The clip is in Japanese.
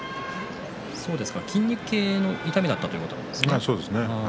筋肉系の痛みだったということですね。